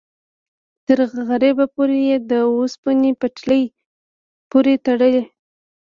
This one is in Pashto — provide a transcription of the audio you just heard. تر غربه پورې یې د اوسپنې پټلۍ پورې تړي.